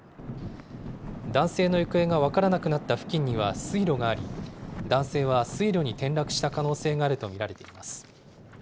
男性の行方が分からなくなった付近には水路があり、男性は水路に転落した可能性があると見られています。